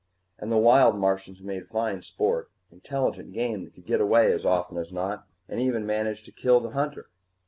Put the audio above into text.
And the wild Martians made fine sport intelligent game, that could get away as often as not, or even manage to kill the hunter."